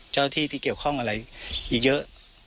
เจ้าที่ที่เกี่ยวข้องอะไรอีกเยอะ